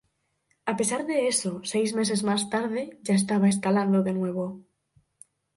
A pesar de eso, seis meses más tarde, ya estaba escalando de nuevo.